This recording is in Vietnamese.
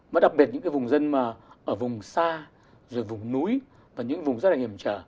mà đặc biệt những cái vùng dân mà ở vùng xa rồi vùng núi và những vùng rất là hiểm trở